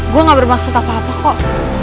gue gak bermaksud apa apa kok